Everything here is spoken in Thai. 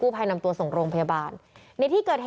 เพราะถูกทำร้ายเหมือนการบาดเจ็บเนื้อตัวมีแผลถลอก